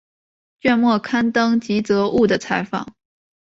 卷末刊登吉泽务的采访。